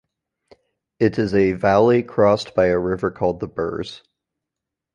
It is a valley crossed by a river called the Birs.